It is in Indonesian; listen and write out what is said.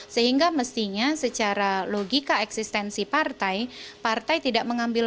sehingga mestinya secara logika eksistensi partai partai tidak mengambil